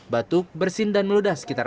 batuk bersin dan meludah sekitar